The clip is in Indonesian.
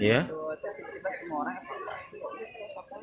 tiba tiba semua orang evakuasi